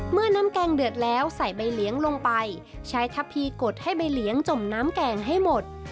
เมื่อน้ำแกงเดือดแล้วใส่ใบเลี้ยงลงไปใช้ทัพพีกดให้ใบเลี้ยงจมน้ำแกงให้หมด